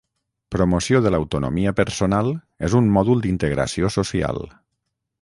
Promoció de l'autonomia personal és un mòdul d'Integració Social